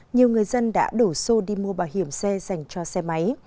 nhiều người dân đã đổ xô đi mua bảo hiểm xe dành cho xe máy